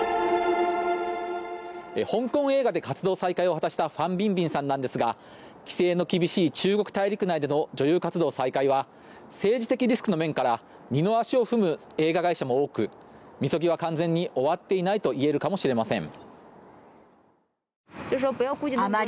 香港映画で活動再開を果たしたファン・ビンビンさんですが規制の厳しい中国大陸内での女優活動再開は政治的リスクの面から二の足を踏む映画会社も多くみそぎは完全に終わっていないと言えるかもしれません。